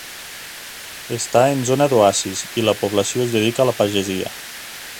Està en zona d'oasis i la població es dedica a la pagesia.